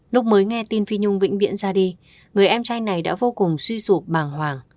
lúc mới nghe tin phi nhung vĩnh viễn ra đi người em trai này đã vô cùng suy sụp màng hoàng